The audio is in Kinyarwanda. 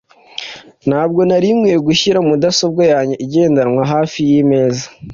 Ntabwo nari nkwiye gushyira mudasobwa yanjye igendanwa hafi yimeza